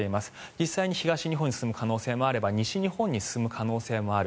実際に東日本に進む可能性もあれば西日本に進む可能性もある。